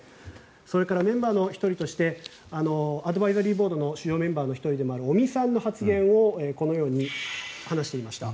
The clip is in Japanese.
それからメンバーの１人としてアドバイザリーボードの主要メンバーの１人でもある尾身さんの発言をこのように話していました。